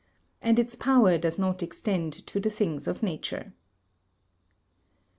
And its power does not extend to the things of nature.